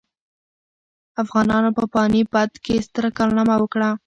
افغانانو په پاني پت کې ستره کارنامه وکړه.